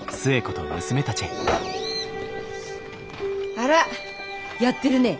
あらやってるねえ。